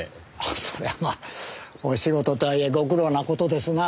そりゃまあお仕事とはいえご苦労な事ですな。